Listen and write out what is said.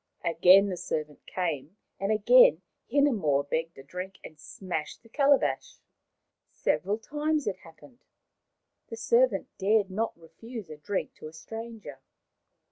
Again the servant came, and again Hinemoa begged a drink and smashed the calabash. Several times it happened. The servant dared not refuse a drink to a stranger.